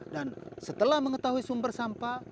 dan setelah mengetahui sumber sampah